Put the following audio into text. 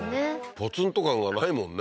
ポツンと感がないもんね